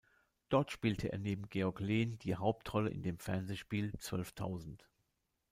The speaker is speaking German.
Dort spielte er neben Georg Lehn die Hauptrolle in dem Fernsehspiel "Zwölftausend".